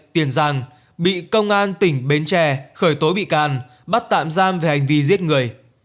tiền giang bị công an tỉnh bến tre khởi tố bị can bắt tạm giam về hành vi giết người